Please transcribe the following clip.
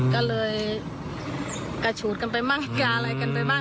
ก็เลยกระฉูดกันไปบ้างอย่าอะไรกันไปบ้าง